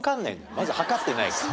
まず測ってないから。